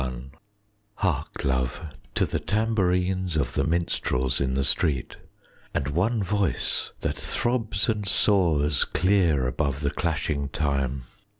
LXXXI Hark, love, to the tambourines Of the minstrels in the street, And one voice that throbs and soars Clear above the clashing time!